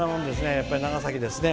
やっぱり長崎ですね。